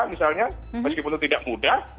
meskipun itu tidak mudah